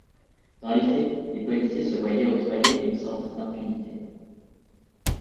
Dans les faits, les policiers se voyaient octroyés une sorte d'impunité.